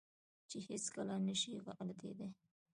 چې هېڅ کله نه شي غلطېداى.